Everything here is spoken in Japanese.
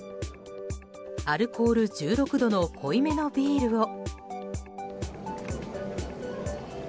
アルコール１６度の濃いめのビールを。